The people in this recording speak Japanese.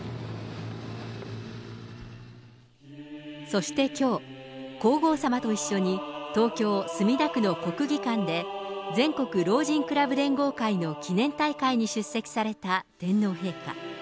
そしてきょう、皇后さまと一緒に、東京・墨田区の国技館で、全国老人クラブ連合会の記念大会に出席された天皇陛下。